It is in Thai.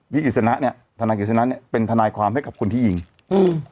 กิจสนะเนี้ยทนายกฤษณะเนี้ยเป็นทนายความให้กับคนที่ยิงอืม